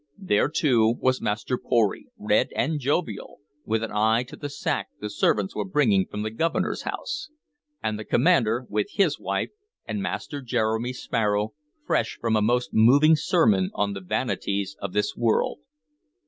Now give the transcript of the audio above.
There, too, was Master Pory, red and jovial, with an eye to the sack the servants were bringing from the Governor's house; and the commander, with his wife; and Master Jeremy Sparrow, fresh from a most moving sermon on the vanities of this world.